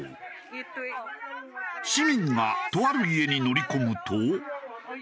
市民がとある家に乗り込むと。